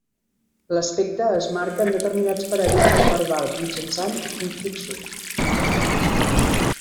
L'aspecte es marca en determinats paradigmes verbals mitjançant infixos.